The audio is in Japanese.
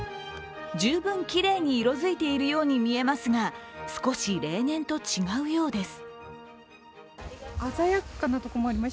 十分きれいに色づいているように見えますが少し例年と違うようです。